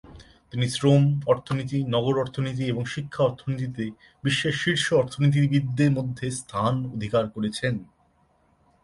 তিনি শ্রম অর্থনীতি, নগর অর্থনীতি এবং শিক্ষা অর্থনীতিতে বিশ্বের শীর্ষ অর্থনীতিবিদদের মধ্যে স্থান অধিকার করেছেন।